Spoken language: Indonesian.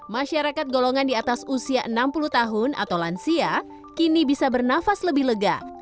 masyarakat golongan di atas usia enam puluh tahun atau lansia kini bisa bernafas lebih lega